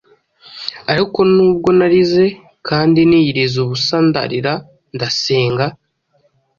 Ariko nubwo narize kandi niyiriza ubusandarira ndasenga